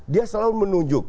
dia selalu menunjuk